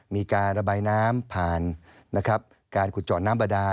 มีการระบายน้ำผ่านการขุดจอดน้ำบดา